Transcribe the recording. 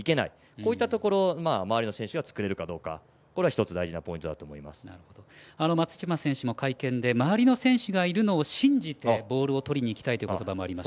こういったところ、周りの選手が作れるかが一つ松島選手も会見で周りの選手がいるのを信じてボールをとりにいきたいという言葉もありました。